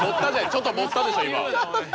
ちょっと盛ったでしょ今。